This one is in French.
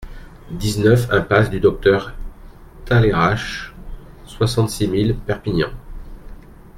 dix-neuf impasse du Docteur Talairach, soixante-six mille Perpignan